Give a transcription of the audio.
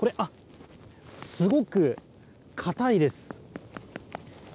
すごく硬いです。